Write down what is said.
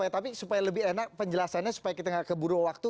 tapi supaya lebih enak penjelasannya supaya kita nggak keburu waktu